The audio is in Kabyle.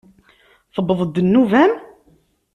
Tewweḍ-d nnuba-m?